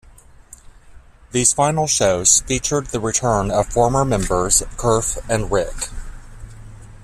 These final shows featured the return of former members Kurf and Rick.